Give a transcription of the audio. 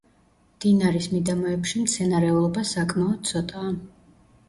მდინარის მიდამოებში მცენარეულობა საკმაოდ ცოტაა.